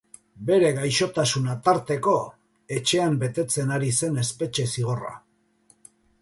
Bere gaixotasuna tarteko, etxean betetzen ari zen espetxe zigorra.